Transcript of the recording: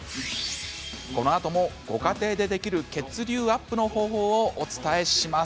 このあとも、ご家庭でできる血流アップの方法をお伝えします。